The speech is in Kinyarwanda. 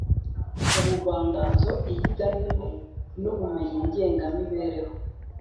ubuvanganzo, iyigandimi n’ubumenyi ngengamibereho